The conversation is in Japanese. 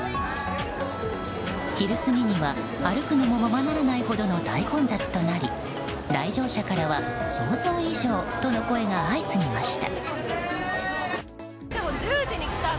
昼過ぎには歩くのもままならないほどの大混雑となり来場者からは想像以上との声が相次ぎました。